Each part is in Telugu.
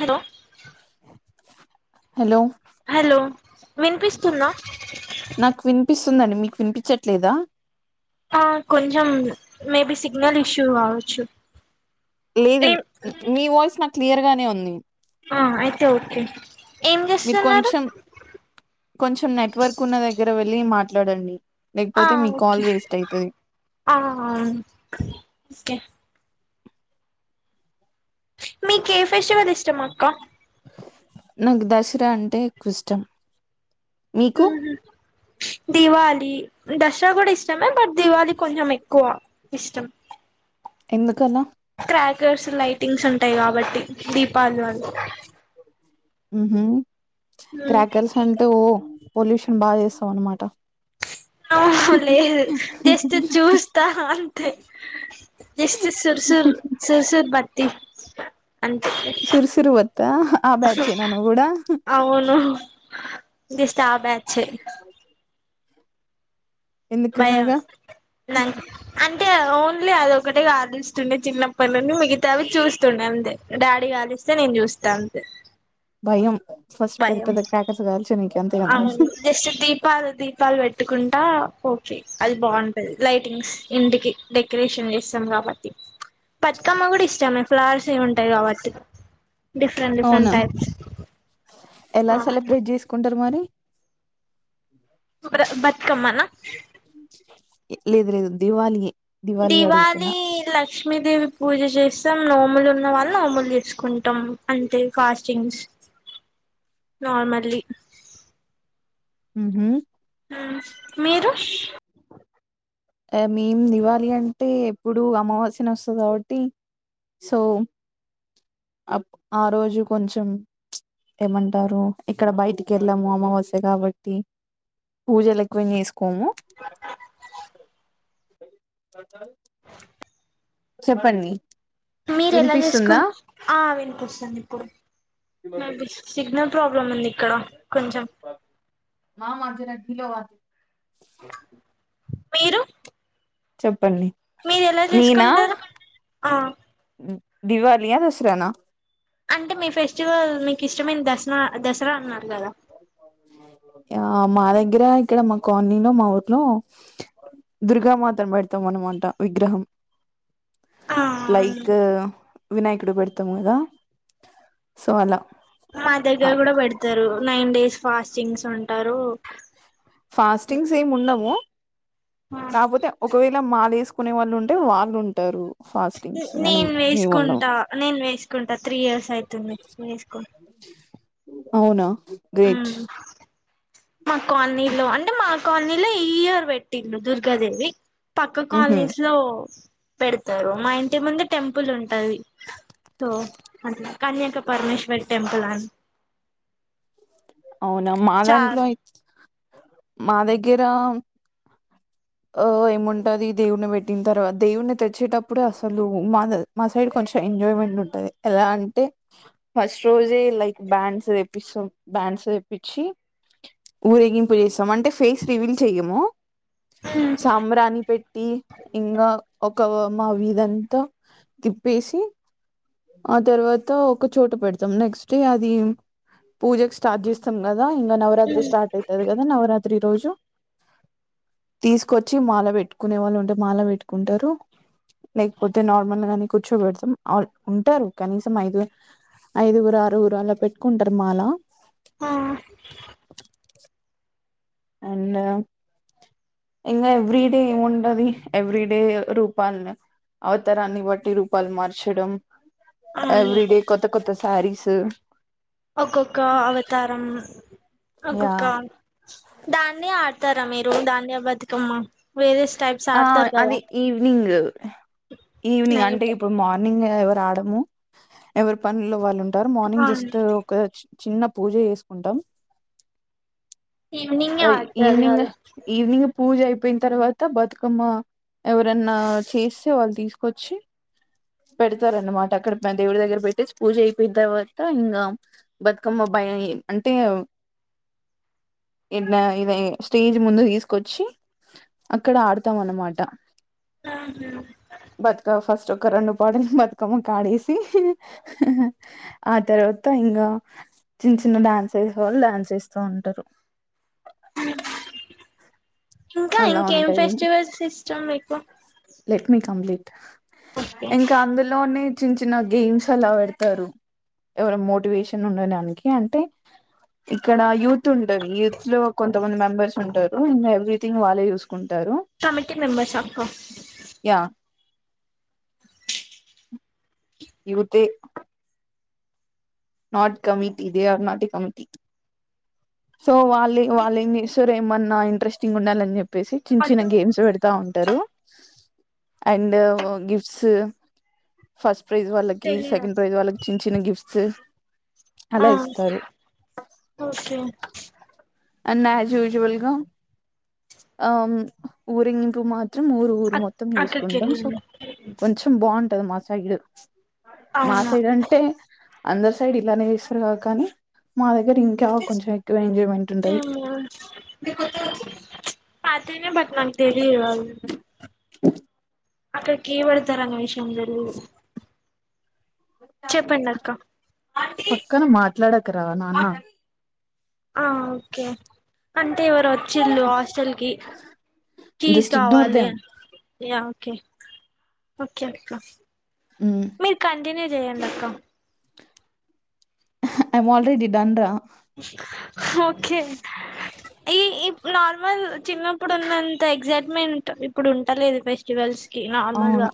హలో హలో హలో విన్పిస్తుందా విన్పించట్లేదా ఆ కొంచెం మేబి సిగ్నల్ ఇష్యూ కావచ్చు లేదున్ ఏం మీ వాయిస్ నాకు క్లియర్ గానే ఉంది. ఆ అయితే ఓకే ఏం మీరు చేస్తున్నారు కొంచెం కొంచెం నెట్వర్క్ ఉన్న దగ్గర వె వెళ్ళి మాట్లాడండి. లేకపోతే మీ కాల్ వేస్ట్ అయితది ఆఆఓకేకే మీకే ఫెస్టివల్ ఇష్టం అక్క. నాకు దసరా అంటే ఎక్కువ ఇష్టం. మీకు ఉహు దివాళి, దసరా కూడా ఇస్త కొమే బట్ దివాళి కొంచెం ఎక్కువ. ఇష్టం ఎందు క్రాకర్స్, లైటింగ్స్ ఉంటాయి. కాబట్టి దీపాలులో ఉహ క్రాకర్స్ అంటే ఓ పొల్యూషన్ బాగా చేస్తాం అన్నమాట. నొ లేదు జస్ట్ చూస్త అ [inaudible] జస్ట్ సుర్ సుర్ సుర్ సుర్ బత్ తి సిరుసిరు వత్త ఆ బ్యాచెనా నువ్ కూడా ఎస్తట ఆ బ్యాచ్చ్ ఎందుకలాగా నాకు అంటే ఓన్లీ అదొ ఒకటె గా కాలిస్తుండే. చిన్నపట్టీ నుండి మిగతావి చూస్తుండే. అంతే డాడీగాలిస్తే నేను చూస్తాను అంతే. బయం భయం కదా అవును జస్ట్ దీపాలు దీపాలు పెట్ పెట్టుకుంటా పో అది బాగుంటది లైటింగ్స్ ఇంటికి డెకరేషన్ చేస్తాం కాబట్టి బతుగమ్మ ఇష్టామ ఫ్లవర్స్ ఏమి ఉంటాయి కాబట్టి. డిఫరెంట్ డిఫరెంట్ అవునా టైప్స్ ఎలా సెలబ్రేట్ చేసుకుంటే అంట మరి బతుకమ్మన లేదు లేదు దీవాలి దివాళి లక్ష్మీదేవి పూజ చేస్తాం నువ్ వ్వులు ఉన్న వాళ్ళు [unintelligible] తెచ్చుకుంటాం [unintelligible] అంతే నార్మలీ ఉహూ ఉమ్ మీరు ష్ మేము దివాలి అంటే ఎప్పుడు అమావాస్య వస్తుంది కాబట్టి సో ఆ రోజు కొంచెం ఏమంటారు ఇక్కడ బయటికి వెళ్ళాము అమావాస్య కాబట్టి పూజలు ఎక్కువ చేసుకు కోము చ స [inaudible] చెప్పండి మీరు ఎలా చేసుకు వినిపిస్తుందా ఆ వినిపిస్తుంది ఇప్పుడు సిగ్నల్ ప్రాబ్లం ఉంది ఇక్కడ కొంచెం మామ ఢిలో వా మీరు చెప్పు ప్పండి మీరు ఎలా నేనా చేసుకుంటారు ఆ దివాలి యా దసరా నా అంటే మీ ఫెస్టివల్ మీకు ఇష్టమైన దసరా దసరా అన్నారు కదా ఆ మా దగ్గర ఇక్కడ మా కాలనీలో మా ఊర్లో దుర్గామాతను పెడతాం అనమాట విగ్రహం ఆ అవును లైక్ వినాయకుడు పెడతాం కదా సో అలా మా ఆ దగ్గర కూడా పెడతారు నైన్ డేస్ ఫాస్టింగ్స్ ఉంటారు ఫాస్టింగ్స్ ఏమి ఉండము కాపోతే ఒకవేళ మాల వేసుకు కొనే వాళ్ళు ఉంటే వాళ్ళు ఉంటారు ఫాస్టింగ్స్ కానీ నేను మేము ఉండము వేసుకుంటా నేను వేసుకుంటా త్రీ ఇయర్స్ అయితుంది వేసుకుంటా అవునా గ్రేట్ ఉమ్ మా కాలనీలో అంటే మా కాలనీలో ఈ ఇయర్ పెట్టిండ్రు దుర్గ దేవి పక్క ఉహు కాలనీస్ లో పెడతారు మా ఇంటి ముందు టెంపుల్ ఉంటది సో అంట కన్యాక పరమేశ్వరి టెంపుల్ అని అవునా మా చా దాంట్లో మా దెగ్గర ఓ ఏముంటాది దేవుని పెట్టిన తర్వాత దేవుని తెచ్చేటప్పుడు అసలు మా మా సైడ్ కొంచెం ఎంజాయ్మెంట్ ఉంటాది ఎలా అంటే ఫస్ట్ రోజే లైక్ బ్యాండ్స్ వేప్పిస్తాం బ్యాండ్స్ వేప్పించి ఊరేగింపు చేస్తాం అంటే ఫేస్ రివీల్ చెయ్యము సాబ్రాణి పెట్టి ఇకా ఒక మా వీధి అంత తిప్పేసి ఆ తర్వాత ఒక చోట పెడతాం నెక్స్ట్ డే అది పూజకు స్టార్ట్ చేస్తాం కదా దా ఇంకా నవరాత్రి స్టార్ట్ అవుతాది కదా నవరాత్రి రోజు తీసుకొచ్చి మాల పెట్టుకునే వాళ్ళు ఉంటే మాల పెట్టుకుంటారు లేకపోతే నార్మల్గాని కూర్చో పెడతాం ఆర్ ఉంటారు కనీసం ఐదు ఐదుగురు ఆరుగురు అలా పెట్టుకుంటారు మల్ల ఆ అండ్ ఇంకా ఎవ్రీడే ఏముంటది ఎవ్రీడే రూపాలని అవతారన్ని బట్టి రూపాలు అవును ఎవ్రీ డే కొత్త కొత్త సారీస్ మ్ ఒక్కొక్క అవతారం యా అగక్క దాన్ని ఆడతారా మీరు ధన్య బతుకమ్మ వేరే ఆ అది ఈవినింగ్ ఈవినింగ్ అంటే నైట్ ఇప్పుడు మార్ని ని ఎవరు ఆడము ఎవరి పనుల్లో వాళ్ళు మార్నింగ్ అవును జస్ట్ ఒక చిన్న పూజ చేసుకుంటాం ఈవినింగే ఆ ఆడతారు ఈవనింగ్ కదా ఈవి పూజ అయిపోయిన తర్వాత బతుకమ్మ ఎవరన్నా చేస్తే ఇ ఇది స్టేజ్ ముందుకు తీసుకొచ్చి అక్కడ ఆడతాం అన్నమాట ఆహా బతుక ఫాస్ ఒక రెండు పాటలు బతుకమ్మకాడేసి ఆ తర్వాత ఇంకా [unintelligible] ఇంకా అలా ఇంకేం ఉంటది ఫెస్టివల్స్ ఇష్టం మికు లెట్ మీ కంప్లీట్ ఇంకా అందులోని చిన్న చిన్న గేమ్స్ అలా పెడతారు యవారు మోట్వ్షాన్ వుండా డానికీ యవారు [inaudible] యుత్లో కొంతమంది మెంబార్‌సు ఉంతరు ఎవారి థింగ్ వాళ్ళే చూసుకుంటరు కమిటీ మెంబర్స్ అక్క యా యుటి నాట్ కమిట్ ఇది ఆర్ నాటి కమిటీ సోమారం లే వాళ్ళేం చెస్టారు ఏమన్నా ఇంటెస్టింగ్ ఉండాలని చెప్పి చెప్పేసి చిన్న చిన్న అటు గేమ్స్ పెడతా ఉంటారు అండ్ గిఫ్ట్స్ ఫస్ట్ ప్రైజ్ళ్ళకి తెలీదు సెకండ్ ప్రై్ వాళ్ళకి చిన్న గిఫ్ట్ సే ఆ ఓకే అండ్ యాజ్ యూజువల్ గా ఆ ఊరింగ్కు మా మేం ఊరు ఊరు అక్ మొత్తం వేసుకుంటాం సో అక్కకెళ్ళింది కొంచెం బా ట మా సైడ్ మా అవునా సైడ్ అంటే అందరు సైడ్ ఇలానే చేస్తారు కాదు కానీ మా ఇంకా కొంచం ఎక్కువ ఎంజైమెం [inaudible] పాతేనే బట్ నాకు తెలి తెలియదు అక్కడ కీ పెడతారన్న విషయం తెలీదు చెప్పండి అక్క పక్కన మాట్లాడ క రా నాన్న ఆ ఓకే అంటే ఎవరు చిల్లు హాస్టల్ కీస్ జస్ట్ ఇగ్నోర్ కావాలి దెమ్ యా ఓకే ఓకే అక్క మీరు కంటిన్యూ చేయండక్క ఆహ్ ఐం ఆల్రెడీ డన్ రా ఓకే ఈ నార్మల్ చిన్నప్పుడు ఉన్నంత ఎక్సైట్మెంట్ ఇప్పుడు ఉంటలేదు ఫెస్టివల్స్ నార్మల్ గా అవును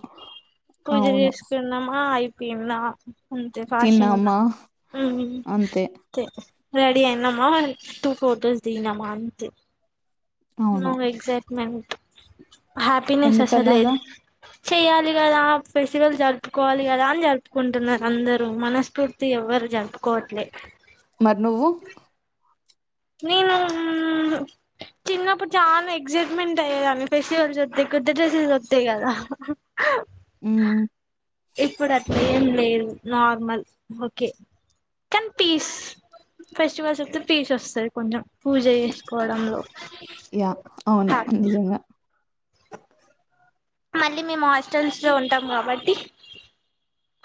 పూజ అవును చేసుకున్నామా అయి పిమ్లా అంతే ఫాషింగ్ తిన్నామా హ్మ్ అంతే తే రెడి అయినమా టూ ఫోర్డోస్ దినమా అంతే నో అవును ఎక్సైట్మెంట్ హ్యాపీనెస్ అసలులే ఎందుకలాగా లేదు చేయాలికదా ఫెస్టివల్ జర్ కోవాలి కదా అని జరు కుంటున్నారు అందరు మనస్ఫూర్తి ఎవరు జరుపుకోవట్లే మరి నువ్వు నేను ఊ చిన్నప్పుడు చాల ఎక్సైట్ మెంట్ అయ్యేదాన్ని ఫెస్టివల్స్ వత్తె కొత్త డ్రస్సులు దొరుకుతాయి కదా ఇప్పుడు అట్లేం లేదు నార్మల్ ఓకె కానీ పీస్ ఫెస్టివల్స్ వత్తె పీస్ వస్తాది. కొంచం పూజ చేసుకోవడంలో యా అవును హ్యాపీ నిజంగా మళ్ళీ మేము హాస్టల్స్ లో ఉంటాం కాబట్టి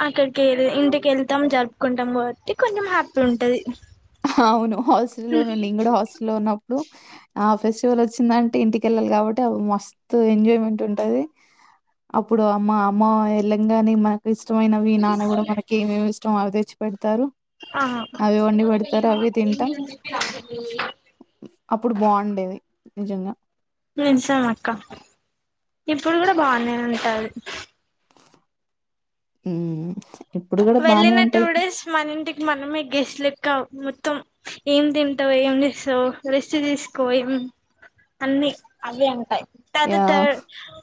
అక్కడికెల్ ఇంటికెళ్తాం జరుపుకుంటాం కాబట్టి కొంచెం హ్యాపీ ఉంటది. అవును హాస్టెలోనె నేను గూడ హాస్టెలో ఉన్న ప్పుడు ఆ ఫెస్టివల్ వచ్చిందంటే ఇంటికెళ్ళల్ కాబట్టి అవు మస్తు ఎంజాయ్మెంట్ ఉంటది. అప్పుడు అమ్మా అమ్మ వెళ్ళంగానే మనకిస్ ఇష్టమైనవి నాన్న గుడా మనకి ఏమేమిస్ టం అవి తెచ్చిపెడ్ తారు ఆ అవి వండి బెడత్ తారు అవి తింటాం అప్పుడు బాగుండేది. నిజంగా నిజం అక్కా ఇప్పుడు కూడ బానే ఉంటాది ఉం వెళ్ళిన టూ డేస్ మన ఇంటికి మనమే గెస్ట్లు. ఇంకా మొత్తం ఏం తింటావు ఏం చేస్తావు రెస్ట్ తీసుకో ఏం అన్నీ అవి ఉంటాయి తత త యాహ్!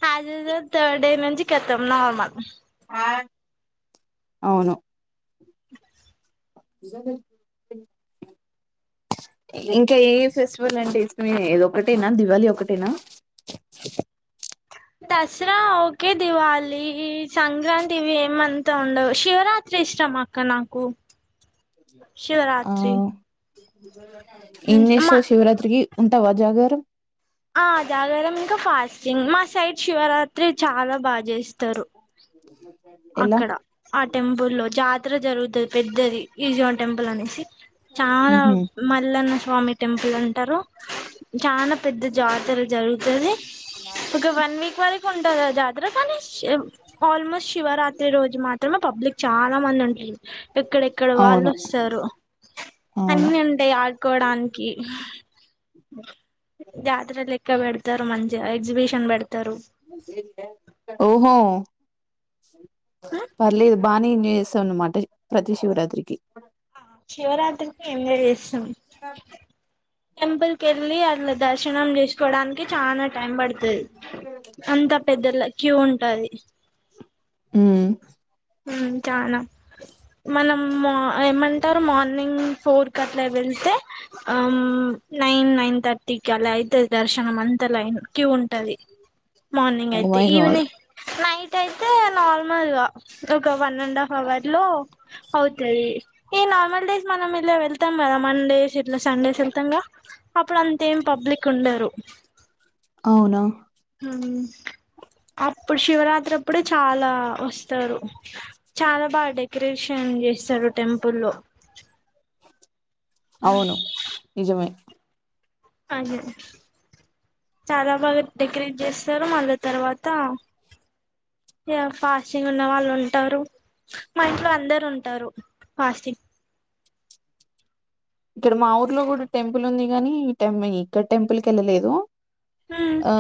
హల్ డె థర్డ్ డే నుంచి కతం నార్మల్ ఆ అవును [inaudible] ఇంకా ఏ ఏ ఫెస్టివల్ అంటే ఇష్టం ఇది ఒకటేనా దివాళి ఒకటేనా దసరా ఒకె దివాలీ సంక్రాంతి వేమంత్ ఉండదు శివరాత్రి ఇష్టం అక్క నాకు శివరాత్రి ఉ మా ఏంచేస్తావ్ శివరాత్రికి ఉంటావా జాగారమ్ ఆ జాగరామ్ ఇంకా ఫాస్టింగ్ మా సైడ్ శివరాత్ త్రి చాలా బా చేస్తారు. ఉ హు అక్కడ ఆ టెంపుల్ లో జాతర జరుగుతది పెద్దది. ఈజవాన్ టెంపుల్ అనేస్ చాలా ఉహు మల్లన్న స్వామి టెంపుల్ అంటారు చాల పెద్ద జాతర జరుగుతుంది ఒక వన్ వీక్ వరకు ఉంటంది జాతర కానీ ఆల్మోస్ట్ శివరాత్రి రోజు మాత్రమే పబ్లిక్ చాలా మంది ఉంటుంది ఎక్కడెక్కడ వాళ్ళు అవును వస్తారు అవును అన్ని ఉంటాయి ఆడుకోడానికి ఓ జాతర లే [unintelligible] పెడతారు మంచిగా ఎగ్జిబిషన్ పెడత ఓహో పర్లేదు బానే [unintelligible] అన్నమాట ప్రతి శివరాత్రికి శివరాత్రికి ఎంజాయ్ చేస్తాం టెంపుల్ కే వెళ్ళి అట్లా దర్శ దక్షిణం చేసుకోవడానికి చాలనా టైం పడు అంతా పెద్దల క్యూ ఉంట టది హుమ్ చనా మనం ఏమంటారు మార్నింగ్ ఫోర్ కట్లే వెళ్తే, ఆ నైన్ నైన్ థర్టీకి అలా అయితే దర్శనం అంతా లైన్ క్యూ ఉంటది. మార్నింగ్ ఓ అయితే మై గాడ్ ఈవనింగ్ నైట్ అయితే నార్మల్గ ఒక వన్ అండ్ హాఫ్ అవర్ లో అవుతాయి ఈ నార్మల్ డేస్ మనం ఇలా వెళ్తాం కదా మన్ డేస్ ఇట్లా సండేస్ వెల్తంగా అప్పుడు అంత ఏం పబ్లిక్ ఉండరు అవునా అప్పుడు శివరాత్రి అప్పుడే చాలా వస్తారు చాలా బాగా డెకరేషన్ చే టెంపుల్లో అవును నిజమే అదే చాలా బాగా డెకరేట్ చేస్తారు మళ్ళీ తర్వాత ఇగ ఫాస్టింగ్ ఉన్న వాళ్ళు ఉంటారు మా ఇంట్లో అందరు ఉంటారు ఫాస్టింగ్ ఇక్కడ మా ఊర్లో కూడా టెంపుల్ ఉంది కానీ టెమి ఇక్కడ టెంపుల్కి ఏళ్ళలేదు ఉమ్ ఆ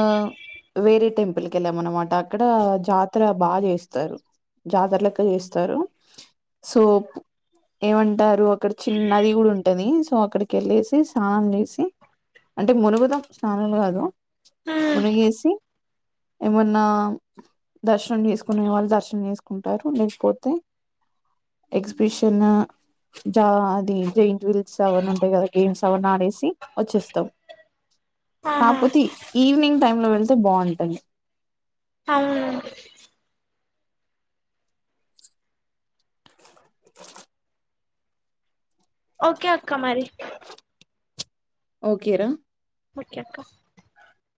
వేరే టెంపు పుల్కెళ్ళాం అనమాట అక్కడ జాతర బాగా చేస్తారు జాతరలెక్క చేస్తారు సో ఏమంటారు చిన్న నది కూడా ఉం సో అక్కడికి వెళ్ళేసి స్నానం చేసి అంటే మునగుదం స్నానం కాదు ఉమ్ మునిగే సి మున్న దర్శనం చేసుకునే వాళ్ళు దర్శనం చేసుకుంటారు లేకపోతే ఎగ్జిబిషన్ జ అది జే ల్స్ అవన్న ఉంటాయి కదా గేమ్స్ అవన్న ఆడేసి వచ్చేస్తాం ఆహా కాకపోతే ఈవినింగ్ టైమ్ లో వెళ్తే బాంటది ఆ [inaudible] ఓకే అక్క మరి ఓకే రా ఓకే అక్క